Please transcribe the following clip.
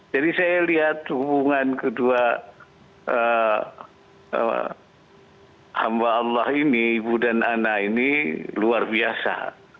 jadi saya lihat hubungan kedua hamba allah ini ibu dan anak ini luar biasa